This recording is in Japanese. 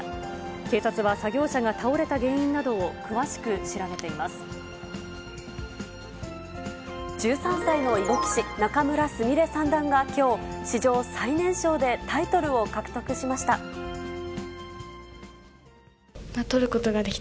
警察は、作業車が倒れた原因など１３歳の囲碁棋士、仲邑菫三段がきょう、史上最年少でタイトルを獲得しました。